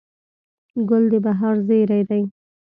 ګل د بهار زېری دی.